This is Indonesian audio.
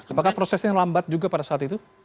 apakah prosesnya lambat juga pada saat itu